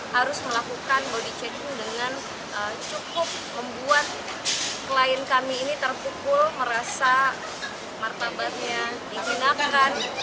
harus melakukan body checking dengan cukup membuat klien kami ini terpukul merasa martabatnya dijinakan